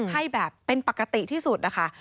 ให้แบบเป็นปกติที่สุดนะคะ